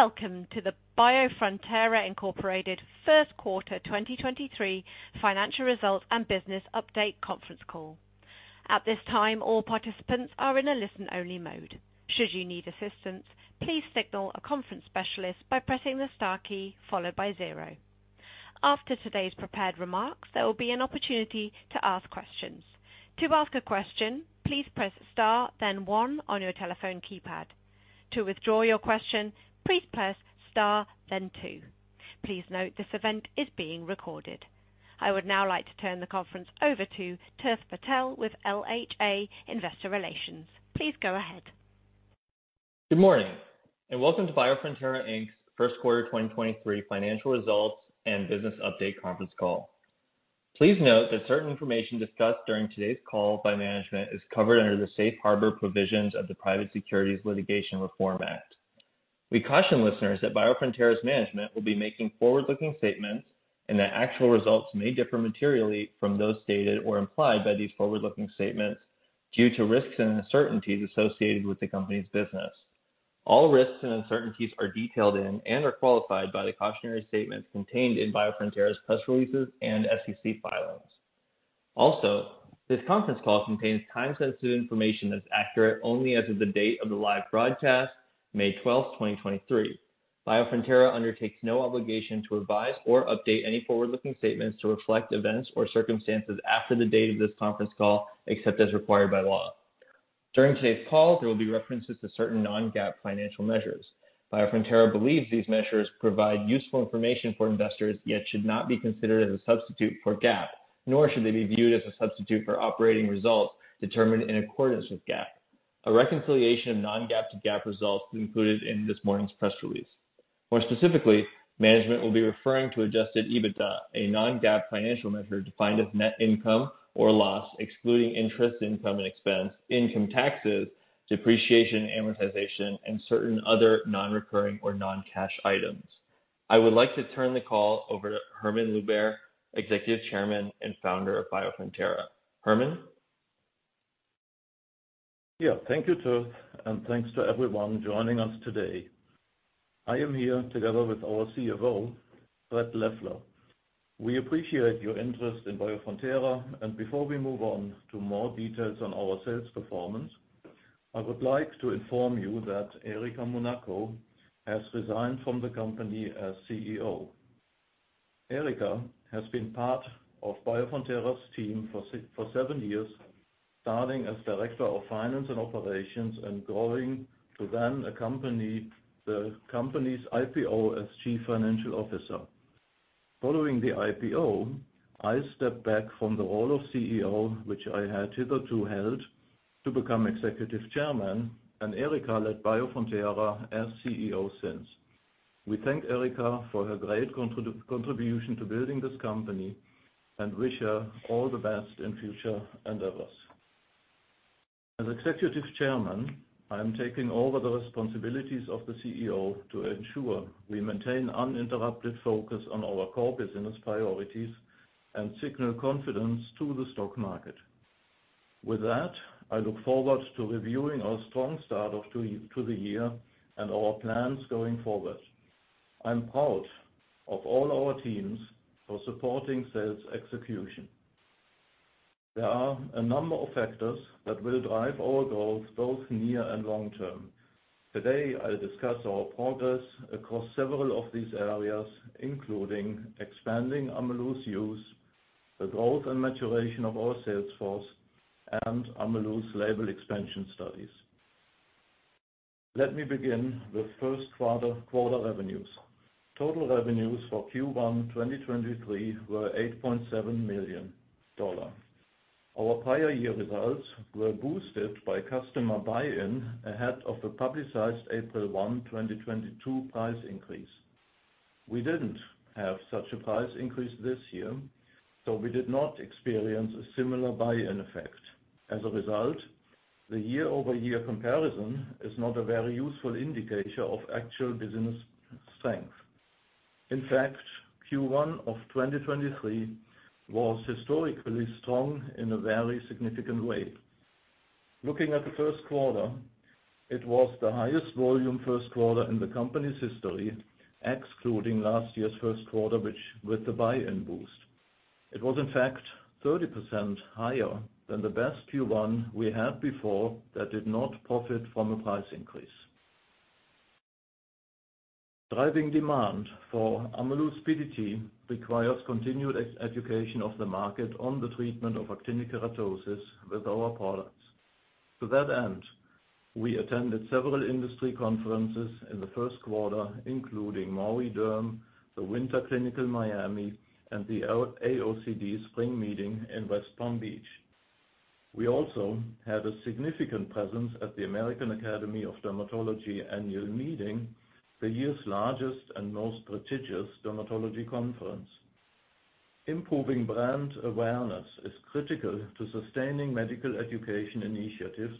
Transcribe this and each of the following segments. Welcome to the Biofrontera Inc. First Quarter 2023 Financial Results and Business Update Conference Call. At this time, all participants are in a listen-only mode. Should you need assistance, please signal a conference specialist by pressing the star key followed by zero. After today's prepared remarks, there will be an opportunity to ask questions. To ask a question, please press star then one on your telephone keypad. To withdraw your question, please press star then two. Please note this event is being recorded. I would now like to turn the conference over to Tirth Patel with LHA Investor Relations. Please go ahead. Good morning, and welcome to Biofrontera Inc's First Quarter 2023 Financial Results and Business Update Conference Call. Please note that certain information discussed during today's call by management is covered under the safe harbor provisions of the Private Securities Litigation Reform Act. We caution listeners that Biofrontera's management will be making forward-looking statements, and that actual results may differ materially from those stated or implied by these forward-looking statements due to risks and uncertainties associated with the company's business. All risks and uncertainties are detailed in and are qualified by the cautionary statements contained in Biofrontera's press releases and SEC filings. Also, this conference call contains time-sensitive information that's accurate only as of the date of the live broadcast, May 12, 2023. Biofrontera undertakes no obligation to revise or update any forward-looking statements to reflect events or circumstances after the date of this conference call, except as required by law. During today's call, there will be references to certain non-GAAP financial measures. Biofrontera believes these measures provide useful information for investors, yet should not be considered as a substitute for GAAP, nor should they be viewed as a substitute for operating results determined in accordance with GAAP. A reconciliation of non-GAAP to GAAP results is included in this morning's press release. More specifically, management will be referring to adjusted EBITDA, a non-GAAP financial measure defined as net income or loss, excluding interest income and expense, income taxes, depreciation, amortization, and certain other non-recurring or non-cash items. I would like to turn the call over to Hermann Luebbert, Executive Chairman and Founder of Biofrontera. Hermann. Yeah. Thank you, Tirth, and thanks to everyone joining us today. I am here together with our CFO, Fred Leffler. We appreciate your interest in Biofrontera, and before we move on to more details on our sales performance, I would like to inform you that Erica Monaco has resigned from the company as CEO. Erica has been part of Biofrontera's team for seven years, starting as Director of Finance and Operations and growing to then accompany the company's IPO as Chief Financial Officer. Following the IPO, I stepped back from the role of CEO, which I had hitherto held, to become Executive Chairman, and Erica led Biofrontera as CEO since. We thank Erica for her great contribution to building this company and wish her all the best in future endeavors. As executive chairman, I am taking over the responsibilities of the CEO to ensure we maintain uninterrupted focus on our core business priorities and signal confidence to the stock market. With that, I look forward to reviewing our strong start to the year and our plans going forward. I'm proud of all our teams for supporting sales execution. There are a number of factors that will drive our growth both near and long term. Today, I'll discuss our progress across several of these areas, including expanding Ameluz's use, the growth and maturation of our sales force, and Ameluz's label expansion studies. Let me begin with first quarter revenues. Total revenues for Q1 2023 were $8.7 million. Our prior year results were boosted by customer buy-in ahead of the publicized April 1, 2022 price increase. We didn't have such a price increase this year. We did not experience a similar buy-in effect. As a result, the year-over-year comparison is not a very useful indicator of actual business strength. In fact, Q1 of 2023 was historically strong in a very significant way. Looking at the first quarter, it was the highest volume first quarter in the company's history, excluding last year's first quarter which with the buy-in boost. It was in fact 30% higher than the best Q1 we had before that did not profit from a price increase. Driving demand for Ameluz PDT requires continued education of the market on the treatment of actinic keratosis with our products. To that end, we attended several industry conferences in the first quarter, including Maui Derm, the Winter Clinical Miami, and the AOCD Spring Meeting in West Palm Beach. We also had a significant presence at the American Academy of Dermatology Annual Meeting, the year's largest and most prestigious dermatology conference. Improving brand awareness is critical to sustaining medical education initiatives.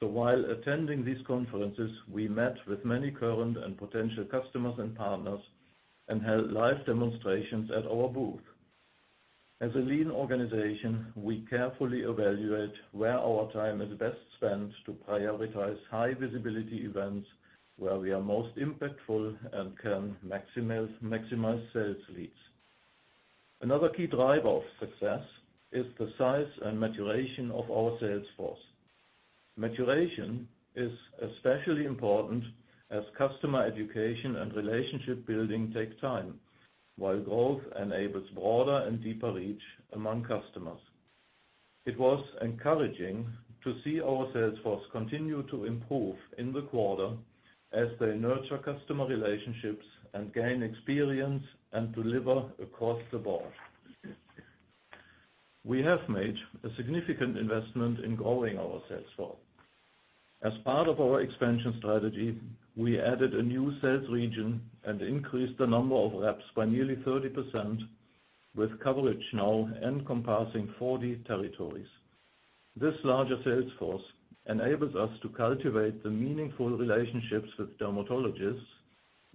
While attending these conferences, we met with many current and potential customers and partners and held live demonstrations at our booth. As a lean organization, we carefully evaluate where our time is best spent to prioritize high visibility events where we are most impactful and can maximize sales leads. Another key driver of success is the size and maturation of our sales force. Maturation is especially important as customer education and relationship building take time, while growth enables broader and deeper reach among customers. It was encouraging to see our sales force continue to improve in the quarter as they nurture customer relationships and gain experience and deliver across the board. We have made a significant investment in growing our sales force. As part of our expansion strategy, we added a new sales region and increased the number of reps by nearly 30%, with coverage now encompassing 40 territories. This larger sales force enables us to cultivate the meaningful relationships with dermatologists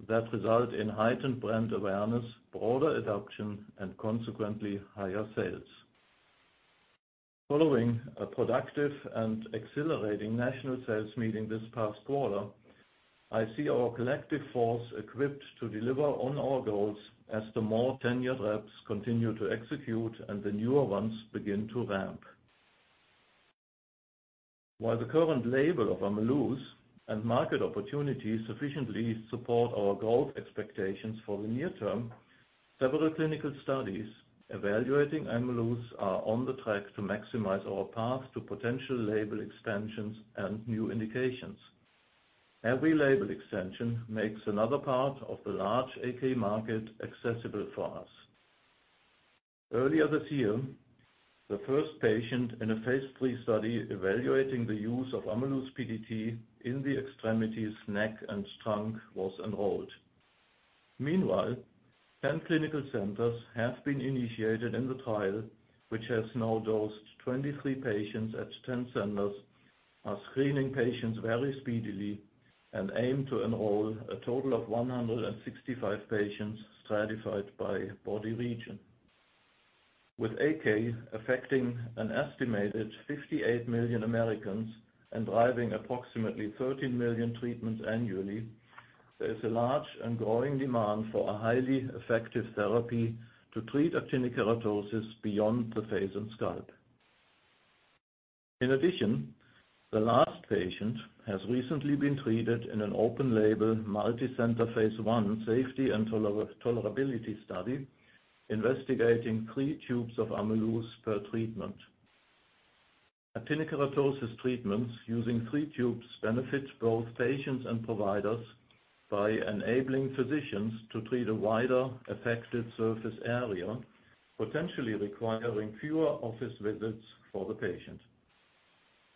that result in heightened brand awareness, broader adoption, and consequently, higher sales. Following a productive and exhilarating national sales meeting this past quarter, I see our collective force equipped to deliver on our goals as the more tenured reps continue to execute and the newer ones begin to ramp. While the current label of Ameluz and market opportunities sufficiently support our growth expectations for the near term, several clinical studies evaluating Ameluz are on the track to maximize our path to potential label expansions and new indications. Every label extension makes another part of the large AK market accessible for us. Earlier this year, the first patient in a phase III study evaluating the use of Ameluz PDT in the extremities, neck, and trunk was enrolled. Meanwhile, 10 clinical centers have been initiated in the trial, which has now dosed 23 patients at 10 centers, are screening patients very speedily, and aim to enroll a total of 165 patients stratified by body region. AK affecting an estimated 58 million Americans and driving approximately 13 million treatments annually, there is a large and growing demand for a highly effective therapy to treat actinic keratosis beyond the face and scalp. The last patient has recently been treated in an open-label, multicenter, phase I safety and tolerability study investigating three-tubes of Ameluz per treatment. Actinic keratosis treatments using three tubes benefits both patients and providers by enabling physicians to treat a wider affected surface area, potentially requiring fewer office visits for the patient.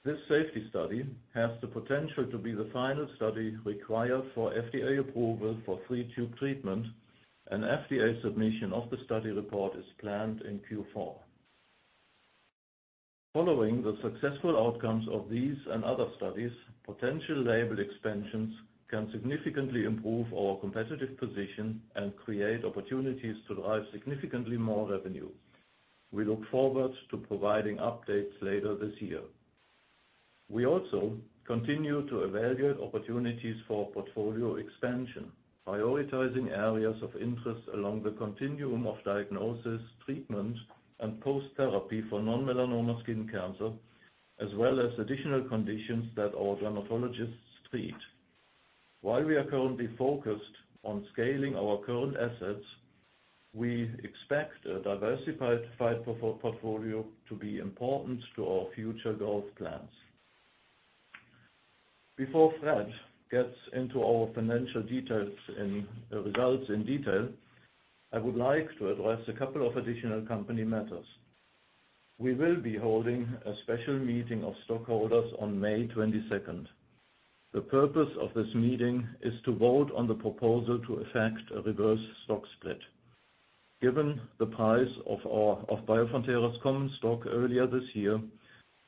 This safety study has the potential to be the final study required for FDA approval for three-tube treatment, and FDA submission of the study report is planned in Q4. Following the successful outcomes of these and other studies, potential label expansions can significantly improve our competitive position and create opportunities to drive significantly more revenue. We look forward to providing updates later this year. We also continue to evaluate opportunities for portfolio expansion, prioritizing areas of interest along the continuum of diagnosis, treatment, and post-therapy for non-melanoma skin cancer, as well as additional conditions that our dermatologists treat. While we are currently focused on scaling our current assets, we expect a diversified portfolio to be important to our future growth plans. Before Fred gets into our financial details in results in detail, I would like to address a couple of additional company matters. We will be holding a special meeting of stockholders on May 22nd. The purpose of this meeting is to vote on the proposal to effect a reverse stock split. Given the price of our, of Biofrontera's common stock earlier this year,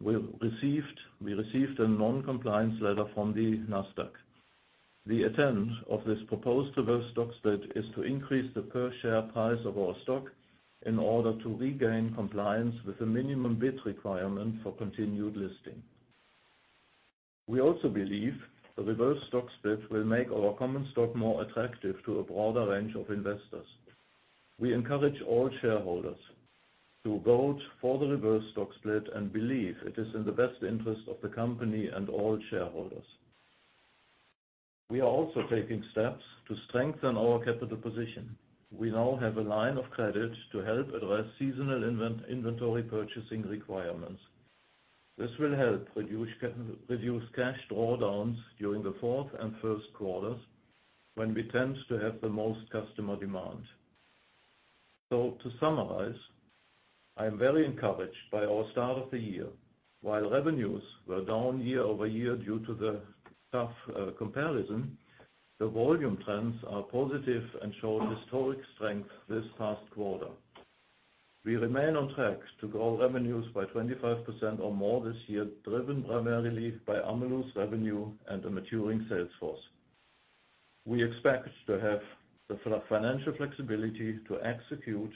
we received a non-compliance letter from the Nasdaq. The intent of this proposed reverse stock split is to increase the per share price of our stock in order to regain compliance with the minimum bid requirement for continued listing. We also believe the reverse stock split will make our common stock more attractive to a broader range of investors. We encourage all shareholders to vote for the reverse stock split and believe it is in the best interest of the company and all shareholders. We are also taking steps to strengthen our capital position. We now have a line of credit to help address seasonal inventory purchasing requirements. This will help reduce cash drawdowns during the fourth and first quarters when we tend to have the most customer demand. To summarize, I am very encouraged by our start of the year. While revenues were down year-over-year due to the tough comparison, the volume trends are positive and show historic strength this past quarter. We remain on track to grow revenues by 25% or more this year, driven primarily by Ameluz revenue and a maturing sales force. We expect to have the financial flexibility to execute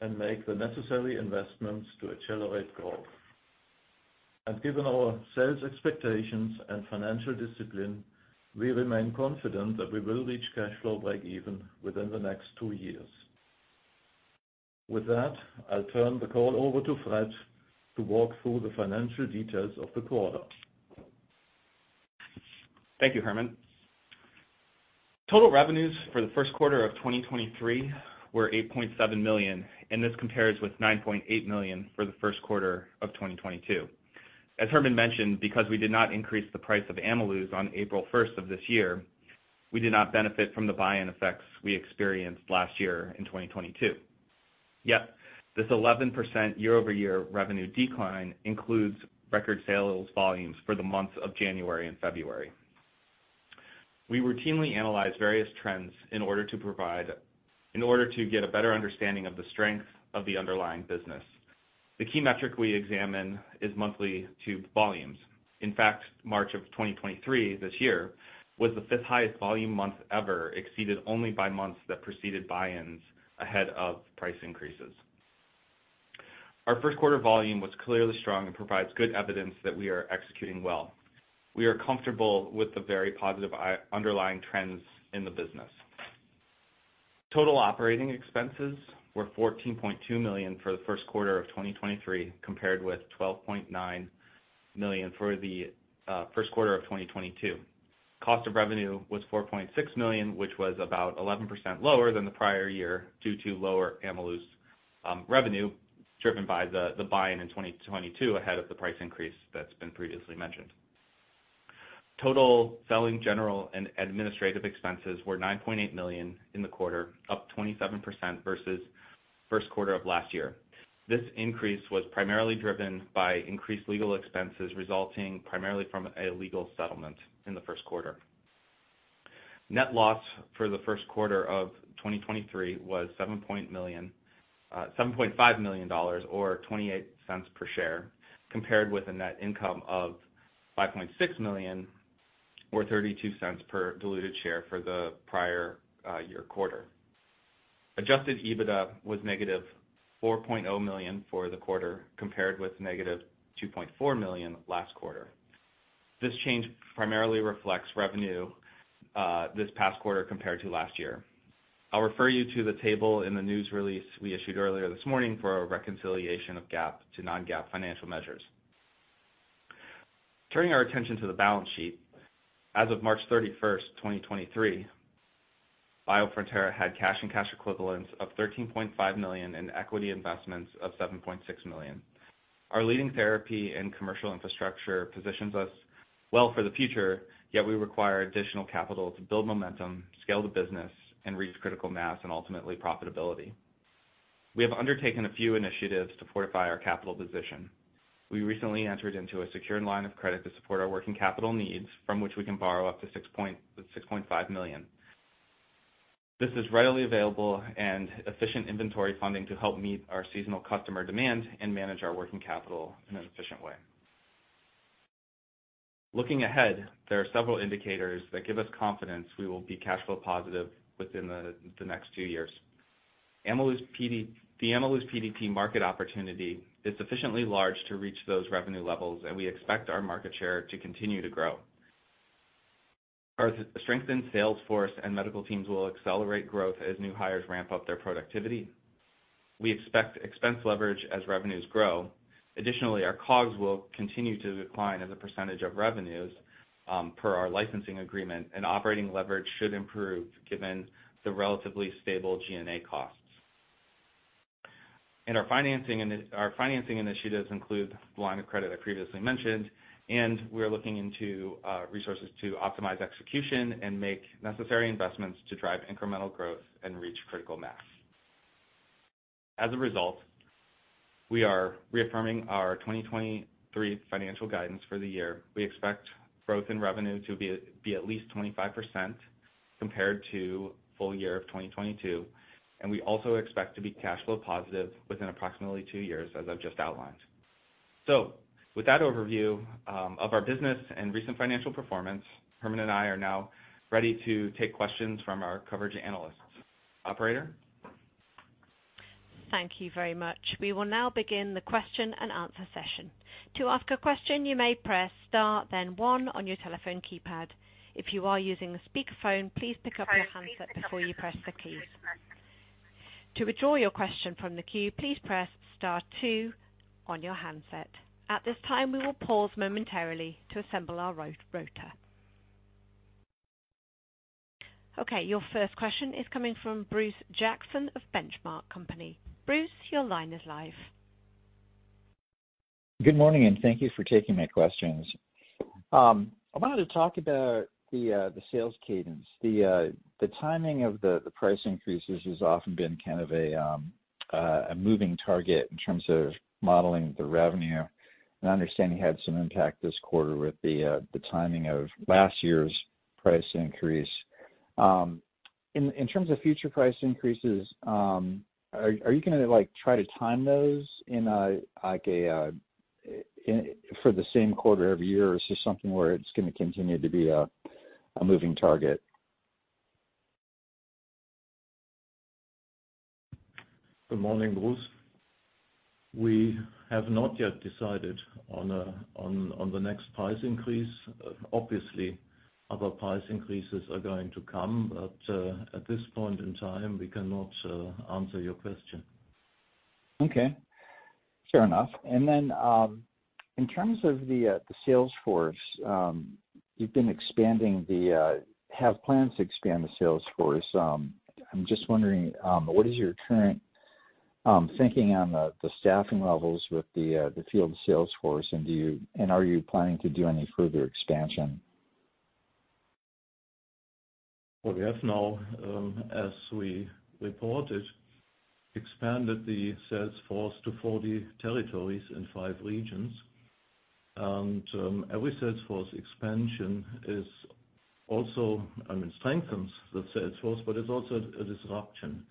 and make the necessary investments to accelerate growth. Given our sales expectations and financial discipline, we remain confident that we will reach cash flow break-even within the next two years. With that, I'll turn the call over to Fred to walk through the financial details of the quarter. Thank you, Hermann. Total revenues for the first quarter of 2023 were $8.7 million. This compares with $9.8 million for the first quarter of 2022. As Hermann mentioned, because we did not increase the price of Ameluz on April 1st of this year, we did not benefit from the buy-in effects we experienced last year in 2022. This 11% year-over-year revenue decline includes record sales volumes for the months of January and February. We routinely analyze various trends in order to get a better understanding of the strength of the underlying business. The key metric we examine is monthly tube volumes. In fact, March of 2023, this year, was the 5th highest volume month ever, exceeded only by months that preceded buy-ins ahead of price increases. Our first quarter volume was clearly strong and provides good evidence that we are executing well. We are comfortable with the very positive underlying trends in the business. Total operating expenses were $14.2 million for the first quarter of 2023, compared with $12.9 million for the first quarter of 2022. Cost of Revenue was $4.6 million, which was about 11% lower than the prior year due to lower Ameluz revenue, driven by the buy-in in 2022 ahead of the price increase that's been previously mentioned. Total Selling General and Administrative Expenses were $9.8 million in the quarter, up 27% versus first quarter of last year. This increase was primarily driven by increased legal expenses resulting primarily from a legal settlement in the first quarter. Net loss for the first quarter of 2023 was $7.5 million or $0.28 per share, compared with a net income of $5.6 million or $0.32 per diluted share for the prior year quarter. Adjusted EBITDA was -$4.0 million for the quarter, compared with -$2.4 million last quarter. This change primarily reflects revenue this past quarter compared to last year. I'll refer you to the table in the news release we issued earlier this morning for a reconciliation of GAAP to non-GAAP financial measures. Turning our attention to the balance sheet. As of March 31, 2023, Biofrontera had cash and cash equivalents of $13.5 million and equity investments of $7.6 million. Our leading therapy and commercial infrastructure positions us well for the future, yet we require additional capital to build momentum, scale the business, and reach critical mass and ultimately profitability. We have undertaken a few initiatives to fortify our capital position. We recently entered into a secured line of credit to support our working capital needs from which we can borrow up to $6.5 million. This is readily available and efficient inventory funding to help meet our seasonal customer demand and manage our working capital in an efficient way. Looking ahead, there are several indicators that give us confidence we will be cash flow positive within the next two years. The Ameluz PDT market opportunity is sufficiently large to reach those revenue levels. We expect our market share to continue to grow. Our strengthened sales force and medical teams will accelerate growth as new hires ramp up their productivity. We expect expense leverage as revenues grow. Additionally, our COGS will continue to decline as a percentage of revenues per our licensing agreement, and operating leverage should improve given the relatively stable G&A costs. Our financing initiatives include the line of credit I previously mentioned, and we are looking into resources to optimize execution and make necessary investments to drive incremental growth and reach critical mass. As a result, we are reaffirming our 2023 financial guidance for the year. We expect growth in revenue to be at least 25% compared to full year of 2022, and we also expect to be cash flow positive within approximately two years, as I've just outlined. With that overview of our business and recent financial performance, Hermann and I are now ready to take questions from our coverage analysts. Operator? Thank you very much. We will now begin the question and answer session. To ask a question, you may press star then one on your telephone keypad. If you are using a speakerphone, please pick up your handset before you press the keys. To withdraw your question from the queue, please press star two on your handset. At this time, we will pause momentarily to assemble our roster. Okay. Your first question is coming from Bruce Jackson of The Benchmark Company. Bruce, your line is live. Good morning, and thank you for taking my questions. I wanted to talk about the sales cadence. The timing of the price increases has often been kind of a moving target in terms of modeling the revenue. I understand you had some impact this quarter with the timing of last year's price increase. In terms of future price increases, are you gonna like try to time those in a like a in for the same quarter every year? Or is this something where it's gonna continue to be a moving target? Good morning, Bruce. We have not yet decided on the next price increase. Obviously, other price increases are going to come, but at this point in time, we cannot answer your question. Okay. Fair enough. In terms of the sales force, have plans to expand the sales force. I'm just wondering, what is your current thinking on the staffing levels with the field sales force? Are you planning to do any further expansion? Well, we have now, as we reported, expanded the sales force to 40 territories in five regions. Every sales force expansion is also, I mean, strengthens the sales force, but it's also a disruption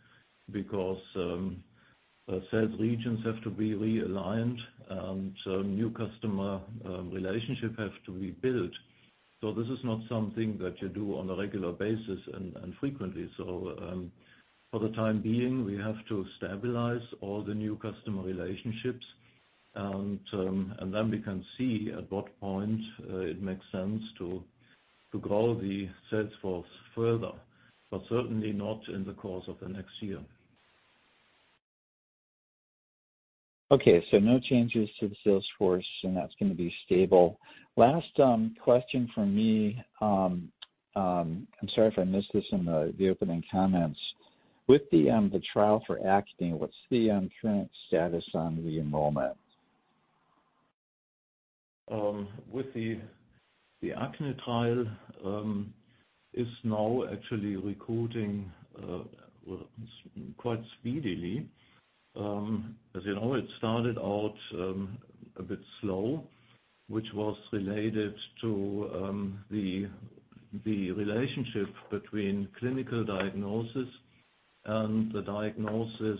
because sales regions have to be realigned, new customer relationship have to be built. This is not something that you do on a regular basis and frequently. For the time being, we have to stabilize all the new customer relationships, we can see at what point it makes sense to grow the sales force further, but certainly not in the course of the next year. Okay, no changes to the sales force, and that's gonna be stable. Last question from me, I'm sorry if I missed this in the opening comments. With the trial for acne, what's the current status on the enrollment? With the acne trial, is now actually recruiting, well, quite speedily. As you know, it started out a bit slow, which was related to the relationship between clinical diagnosis and the diagnosis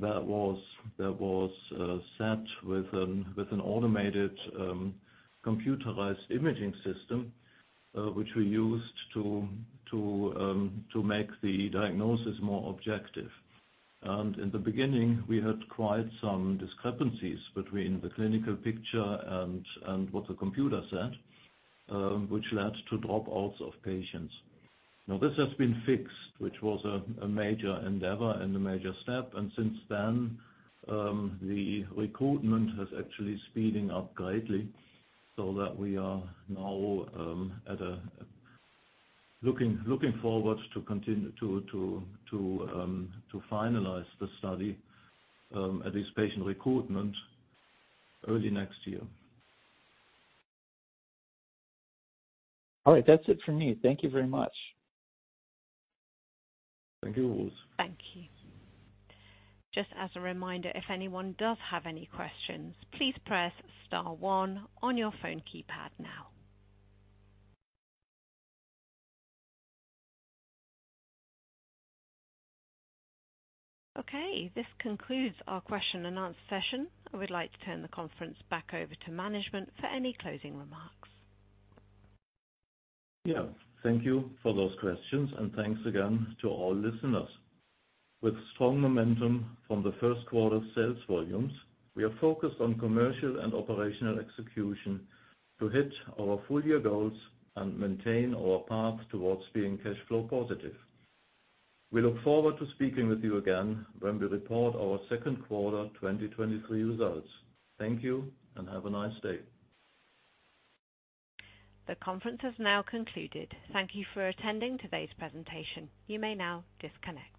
that was set with an automated computerized imaging system, which we used to make the diagnosis more objective. In the beginning, we had quite some discrepancies between the clinical picture and what the computer said, which led to dropouts of patients. Now, this has been fixed, which was a major endeavor and a major step. Since then, the recruitment is actually speeding up greatly so that we are now looking forward to finalize the study at this patient recruitment early next year. All right. That's it for me. Thank you very much. Thank you, Bruce. Thank you. Just as a reminder, if anyone does have any questions, please press star one on your phone keypad now. Okay. This concludes our question and answer session. I would like to turn the conference back over to management for any closing remarks. Thank you for those questions, and thanks again to all listeners. With strong momentum from the first quarter sales volumes, we are focused on commercial and operational execution to hit our full year goals and maintain our path towards being cash flow positive. We look forward to speaking with you again when we report our second quarter 2023 results. Thank you, and have a nice day. The conference has now concluded. Thank you for attending today's presentation. You may now disconnect.